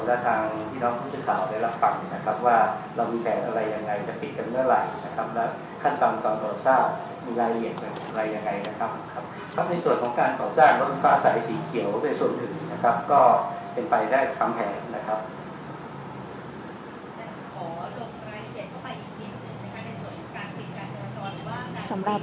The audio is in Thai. และทางพี่น้องผู้ช่วยข่าวได้รับฝั่งนะครับว่าเรามีแผนอะไรยังไงจะปิดกับเมื่อไหร่นะครับ